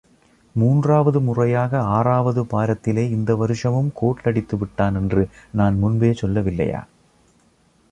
மூன்றாவது முறையாக ஆறாவது பாரத்திலே இந்த வருஷமும் கோட் அடித்துவிட்டானென்று நான் முன்பே சொல்லவில்லையா?